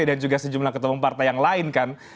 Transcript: dan juga sejumlah ketua umum partai yang lain kan